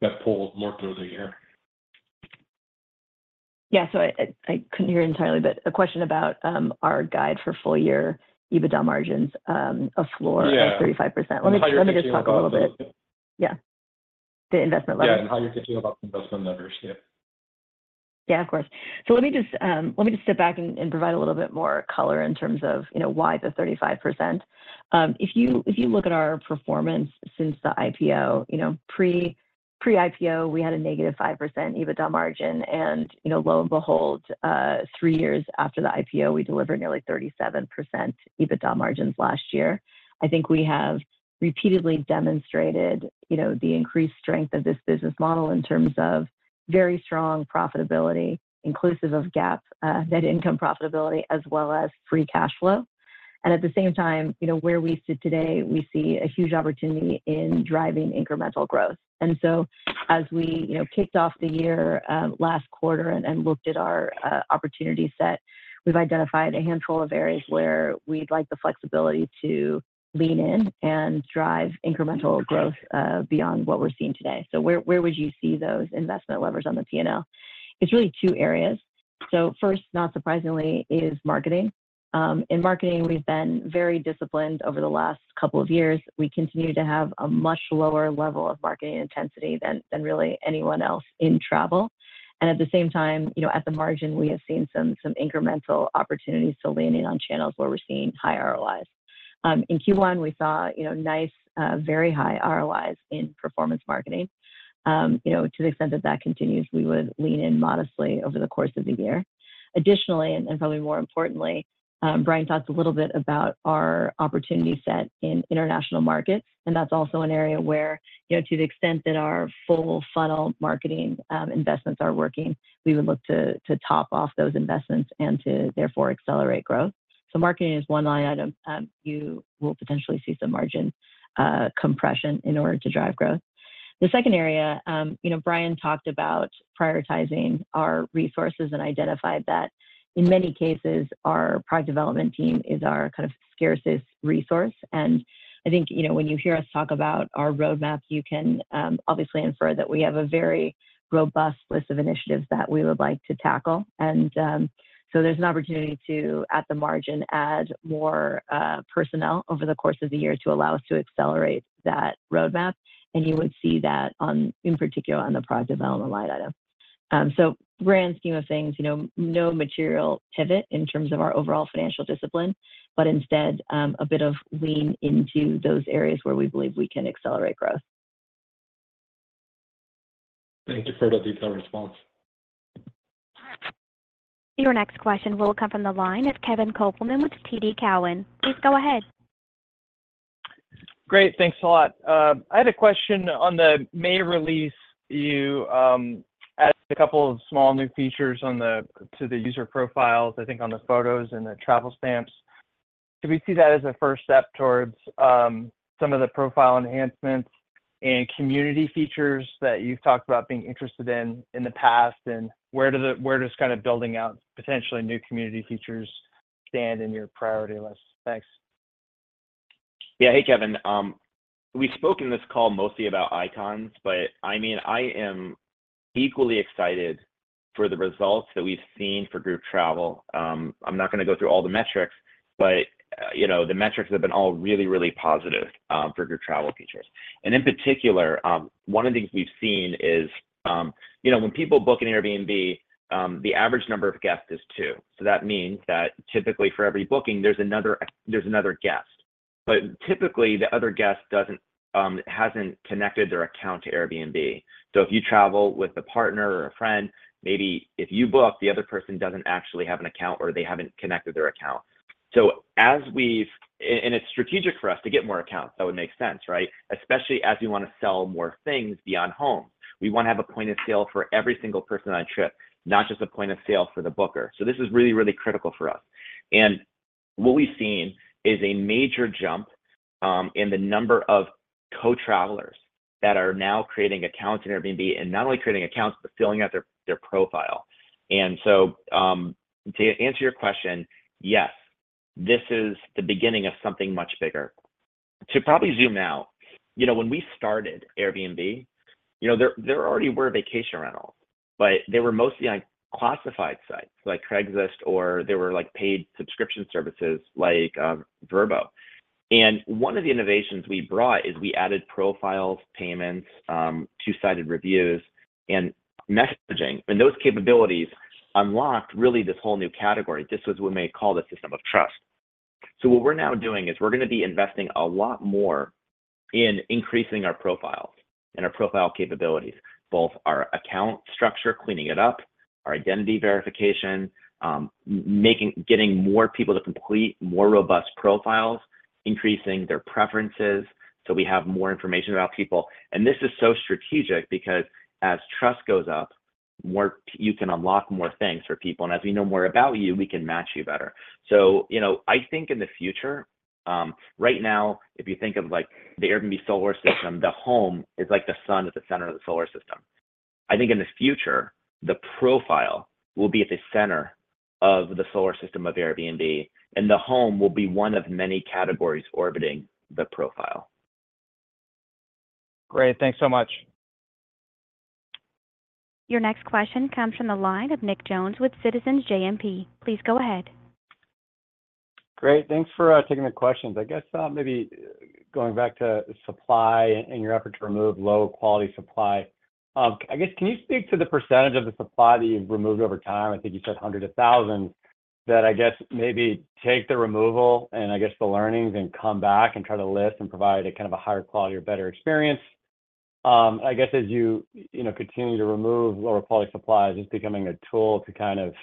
get pulled more through the year? Yeah, so I couldn't hear entirely, but a question about our guide for full year EBITDA margins, a floor. Yeah Of 35%. How you're thinking about. Let me just talk a little bit. Yeah. The investment levers. Yeah, and how you're thinking about the investment levers? Yeah. Yeah, of course. So let me just, let me just step back and, and provide a little bit more color in terms of, you know, why the 35%. If you, if you look at our performance since the IPO, you know, pre, pre-IPO, we had a -5% EBITDA margin, and, you know, lo and behold, three years after the IPO, we delivered nearly 37% EBITDA margins last year. I think we have repeatedly demonstrated, you know, the increased strength of this business model in terms of very strong profitability, inclusive of GAAP net income profitability, as well as free cash flow. And at the same time, you know, where we sit today, we see a huge opportunity in driving incremental growth. And so as we, you know, kicked off the year last quarter and looked at our opportunity set, we've identified a handful of areas where we'd like the flexibility to lean in and drive incremental growth beyond what we're seeing today. So where would you see those investment levers on the P&L? It's really two areas. So first, not surprisingly, is marketing. In marketing, we've been very disciplined over the last couple of years. We continue to have a much lower level of marketing intensity than really anyone else in travel. And at the same time, you know, at the margin, we have seen some incremental opportunities to lean in on channels where we're seeing high ROIs. In Q1, we saw, you know, nice very high ROIs in performance marketing. You know, to the extent that that continues, we would lean in modestly over the course of the year. Additionally, and, and probably more importantly, Brian talked a little bit about our opportunity set in international markets, and that's also an area where, you know, to the extent that our full funnel marketing, investments are working, we would look to, to top off those investments and to therefore accelerate growth. So marketing is one line item, you will potentially see some margin, compression in order to drive growth. The second area, you know, Brian talked about prioritizing our resources and identified that in many cases, our product development team is our kind of scarcest resource. I think, you know, when you hear us talk about our roadmap, you can obviously infer that we have a very robust list of initiatives that we would like to tackle. So there's an opportunity to, at the margin, add more personnel over the course of the year to allow us to accelerate that roadmap, and you would see that on, in particular, on the product development line item. So grand scheme of things, you know, no material pivot in terms of our overall financial discipline, but instead, a bit of lean into those areas where we believe we can accelerate growth. Thank you for the detailed response. Your next question will come from the line of Kevin Kopelman with TD Cowen. Please go ahead. Great. Thanks a lot. I had a question on the May release. You added a couple of small new features on to the user profiles, I think on the photos and the travel stamps. Do we see that as a first step towards some of the profile enhancements and community features that you've talked about being interested in in the past? And where does kind of building out potentially new community features stand in your priority list? Thanks. Yeah. Hey, Kevin. We've spoken this call mostly about Icons, but, I mean, I am equally excited for the results that we've seen for group travel. I'm not gonna go through all the metrics, but, you know, the metrics have been all really, really positive, for group travel features. And in particular, one of the things we've seen is, you know, when people book an Airbnb, the average number of guests is two. So that means that typically for every booking, there's another, there's another guest. But typically, the other guest doesn't, hasn't connected their account to Airbnb. So if you travel with a partner or a friend, maybe if you book, the other person doesn't actually have an account or they haven't connected their account. So as we've... It's strategic for us to get more accounts, that would make sense, right? Especially as we wanna sell more things beyond home. We wanna have a point of sale for every single person on a trip, not just a point of sale for the booker. So this is really, really critical for us. And what we've seen is a major jump in the number of co-travelers that are now creating accounts in Airbnb, and not only creating accounts, but filling out their profile. And so, to answer your question, yes, this is the beginning of something much bigger. To probably zoom out, you know, when we started Airbnb, you know, there already were vacation rentals, but they were mostly on classified sites like Craigslist, or they were, like, paid subscription services like Vrbo. And one of the innovations we brought is we added profiles, payments, two-sided reviews, and messaging, and those capabilities unlocked really this whole new category. This was what we may call the system of trust. So what we're now doing is we're gonna be investing a lot more in increasing our profiles and our profile capabilities, both our account structure, cleaning it up, our identity verification, getting more people to complete more robust profiles, increasing their preferences, so we have more information about people. And this is so strategic because as trust goes up, you can unlock more things for people. And as we know more about you, we can match you better. So, you know, I think in the future, right now, if you think of, like, the Airbnb solar system, the home is like the sun at the center of the solar system. I think in the future, the profile will be at the center of the solar system of Airbnb, and the home will be one of many categories orbiting the profile. Great. Thanks so much. Your next question comes from the line of Nick Jones with Citizens JMP. Please go ahead. Great. Thanks for taking the questions. I guess, maybe going back to supply and your effort to remove low-quality supply, I guess, can you speak to the percentage of the supply that you've removed over time? I think you said hundreds of thousands, that I guess maybe take the removal and I guess the learnings and come back and try to list and provide a kind of a higher quality or better experience. I guess as you, you know, continue to remove lower-quality supply, is this becoming a tool to kind of,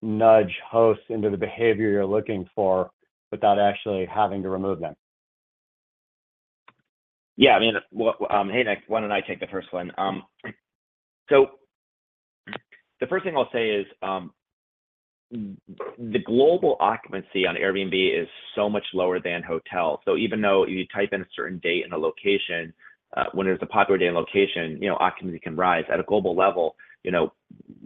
nudge hosts into the behavior you're looking for without actually having to remove them? Yeah, I mean, well, hey, Nick, why don't I take the first one? So the first thing I'll say is, the global occupancy on Airbnb is so much lower than hotels. So even though you type in a certain date and a location, when there's a popular day and location, you know, occupancy can rise. At a global level, you know,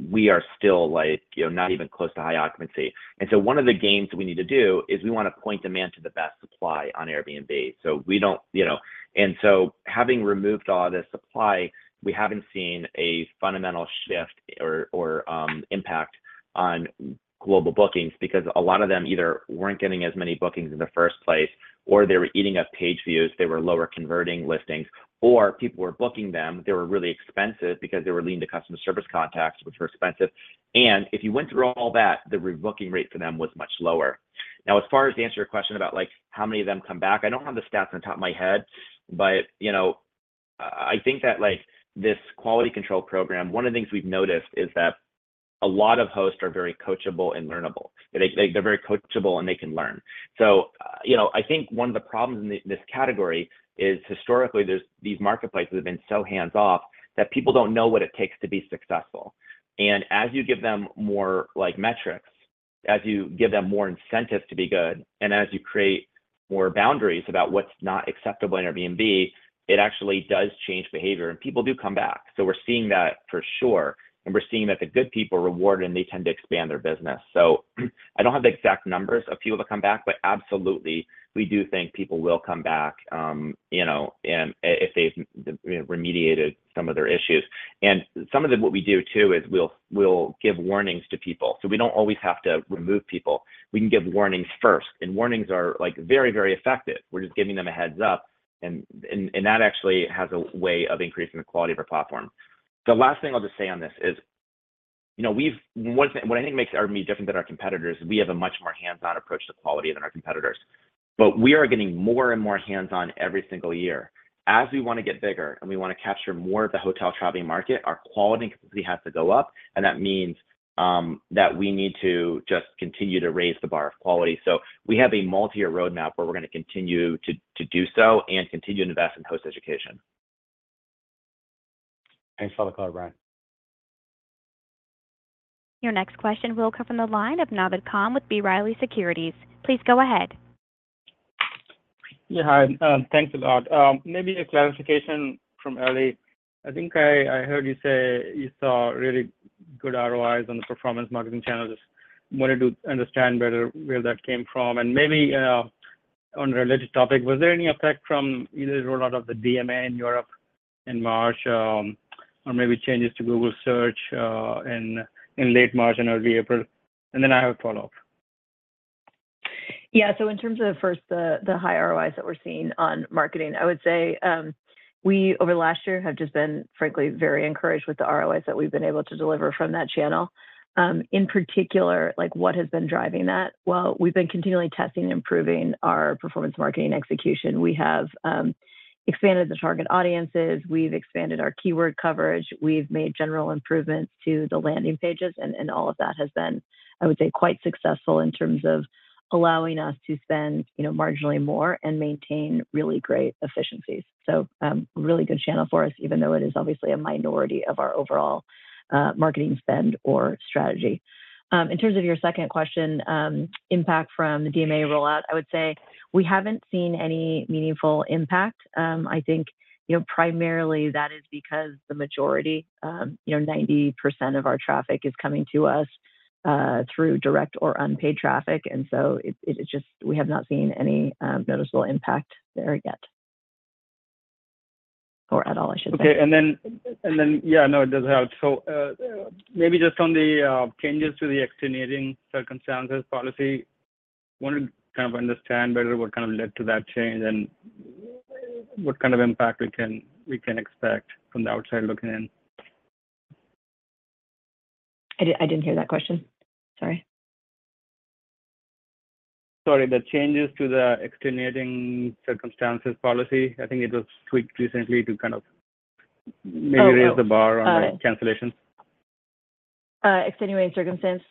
we are still like, you know, not even close to high occupancy. And so one of the games we need to do is we want to point demand to the best supply on Airbnb. So we don't, you know. And so having removed all this supply, we haven't seen a fundamental shift or, or, impact on global bookings because a lot of them either weren't getting as many bookings in the first place, or they were eating up page views, they were lower converting listings, or people were booking them. They were really expensive because they were leading to customer service contacts, which were expensive. If you went through all that, the rebooking rate for them was much lower. Now, as far as to answer your question about, like, how many of them come back, I don't have the stats on the top of my head, but, you know, I, I think that, like, this quality control program, one of the things we've noticed is that a lot of hosts are very coachable and learnable. They, they're very coachable, and they can learn. So, you know, I think one of the problems in this category is historically, there's these marketplaces have been so hands-off that people don't know what it takes to be successful. And as you give them more like, metrics, as you give them more incentives to be good, and as you create more boundaries about what's not acceptable in Airbnb, it actually does change behavior, and people do come back. So we're seeing that for sure, and we're seeing that the good people are rewarded, and they tend to expand their business. So I don't have the exact numbers of people that come back, but absolutely, we do think people will come back, you know, and if they've remediated some of their issues. And some of them, what we do, too, is we'll give warnings to people, so we don't always have to remove people. We can give warnings first, and warnings are, like, very, very effective. We're just giving them a heads-up, and that actually has a way of increasing the quality of our platform. The last thing I'll just say on this is, you know, we've one thing, what I think makes Airbnb different than our competitors, we have a much more hands-on approach to quality than our competitors. But we are getting more and more hands-on every single year. As we want to get bigger, and we want to capture more of the hotel traveling market, our quality has to go up, and that means that we need to just continue to raise the bar of quality. So we have a multi-year roadmap where we're going to continue to do so and continue to invest in host education. Thanks for the color, Brian. Your next question will come from the line of Naved Khan with B. Riley Securities. Please go ahead. Yeah, hi, thanks a lot. Maybe a clarification from Ellie. I think I, I heard you say you saw really good ROIs on the performance marketing channels. Just wanted to understand better where that came from. And maybe on a related topic, was there any effect from either the rollout of the DMA in Europe in March, or maybe changes to Google search in late March and early April? And then I have a follow-up. Yeah. So in terms of, first, the high ROIs that we're seeing on marketing, I would say, we, over the last year, have just been, frankly, very encouraged with the ROIs that we've been able to deliver from that channel. In particular, like, what has been driving that? Well, we've been continually testing and improving our performance marketing execution. We have expanded the target audiences. We've expanded our keyword coverage. We've made general improvements to the landing pages, and all of that has been, I would say, quite successful in terms of allowing us to spend, you know, marginally more and maintain really great efficiencies. So, really good channel for us, even though it is obviously a minority of our overall, marketing spend or strategy. In terms of your second question, impact from the DMA rollout, I would say we haven't seen any meaningful impact. I think, you know, primarily that is because the majority, you know, 90% of our traffic is coming to us through direct or unpaid traffic, and so it just—we have not seen any noticeable impact there yet. Or at all, I should say. Okay. And then, yeah, no, it does help. So, maybe just on the changes to the Extenuating Circumstances Policy, wanted to kind of understand better what kind of led to that change and what kind of impact we can expect from the outside looking in? I did, I didn't hear that question. Sorry. Sorry, the changes to the Extenuating Circumstances Policy. I think it was tweaked recently to kind of maybe. Oh. Raise the bar on cancellations. Extenuating Circumstances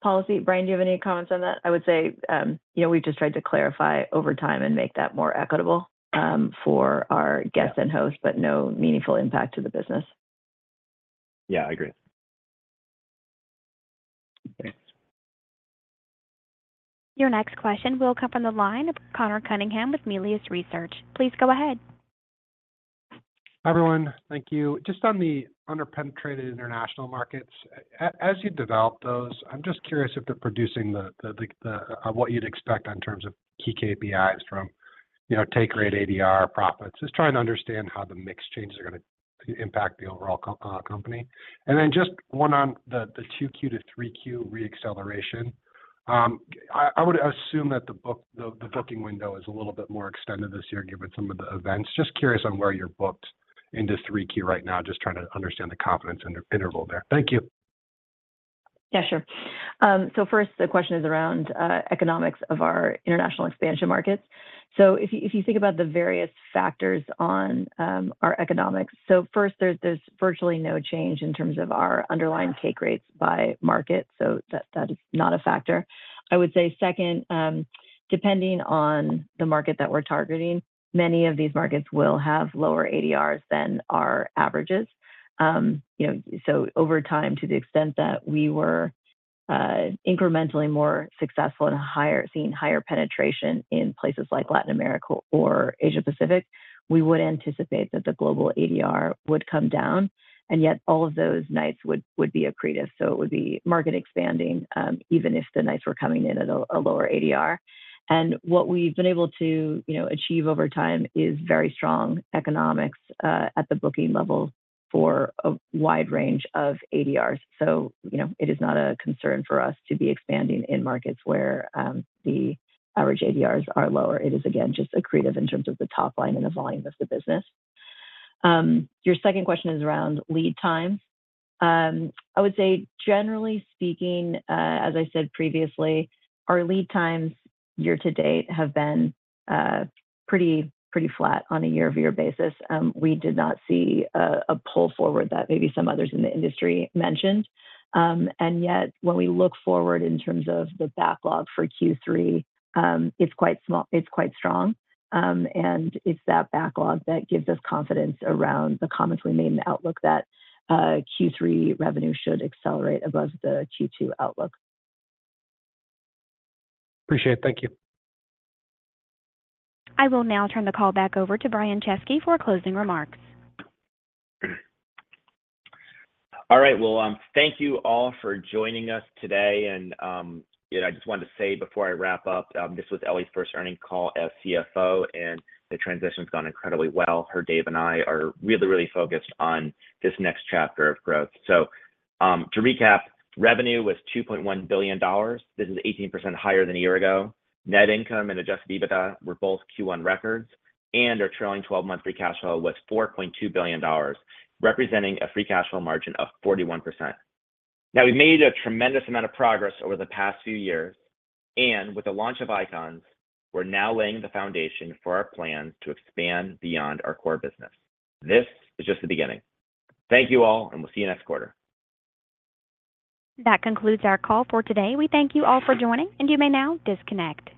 Policy. Brian, do you have any comments on that? I would say, you know, we've just tried to clarify over time and make that more equitable, for our guests and hosts, but no meaningful impact to the business. Yeah, I agree. Thanks. Your next question will come from the line of Conor Cunningham with Melius Research. Please go ahead. Hi, everyone. Thank you. Just on the under-penetrated international markets, as you develop those, I'm just curious if they're producing the what you'd expect in terms of key KPIs from, you know, take rate ADR profits. Just trying to understand how the mix changes are gonna impact the overall company. Then just one on the 2Q to 3Q re-acceleration. I would assume that the booking window is a little bit more extended this year, given some of the events. Just curious on where you're booked into 3Q right now. Just trying to understand the confidence interval there. Thank you. Yeah, sure. So first, the question is around economics of our international expansion markets. So if you, if you think about the various factors on our economics, so first, there's, there's virtually no change in terms of our underlying take rates by market, so that, that is not a factor. I would say second, depending on the market that we're targeting, many of these markets will have lower ADRs than our averages. You know, so over time, to the extent that we were incrementally more successful, seeing higher penetration in places like Latin America or Asia Pacific, we would anticipate that the global ADR would come down, and yet all of those nights would, would be accretive. So it would be market expanding, even if the nights were coming in at a, a lower ADR. And what we've been able to, you know, achieve over time is very strong economics at the booking level for a wide range of ADRs. So, you know, it is not a concern for us to be expanding in markets where the average ADRs are lower. It is, again, just accretive in terms of the top line and the volume of the business. Your second question is around lead times. I would say, generally speaking, as I said previously, our lead times year to date have been pretty, pretty flat on a year-over-year basis. We did not see a pull forward that maybe some others in the industry mentioned. And yet, when we look forward in terms of the backlog for Q3, it's quite small - it's quite strong. It's that backlog that gives us confidence around the comments we made in the outlook that Q3 revenue should accelerate above the Q2 outlook. Appreciate it. Thank you. I will now turn the call back over to Brian Chesky for closing remarks. All right. Well, thank you all for joining us today, and, you know, I just wanted to say before I wrap up, this was Ellie's first earnings call as CFO, and the transition's gone incredibly well. Her, Dave, and I are really, really focused on this next chapter of growth. So, to recap, revenue was $2.1 billion. This is 18% higher than a year ago. Net income and adjusted EBITDA were both Q1 records, and our trailing twelve-month free cash flow was $4.2 billion, representing a free cash flow margin of 41%. Now, we've made a tremendous amount of progress over the past few years, and with the launch of Icons, we're now laying the foundation for our plan to expand beyond our core business. This is just the beginning. Thank you all, and we'll see you next quarter. That concludes our call for today. We thank you all for joining, and you may now disconnect.